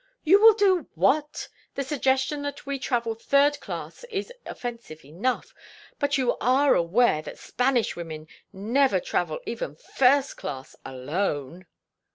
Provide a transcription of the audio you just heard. "You will do what? The suggestion that we travel third class is offensive enough—but are you aware that Spanish women never travel even first class alone?"